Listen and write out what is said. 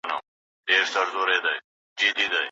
کتابتون مسؤل محترم احمدشاه فضلي دئ.